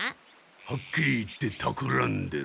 はっきり言ってたくらんでる。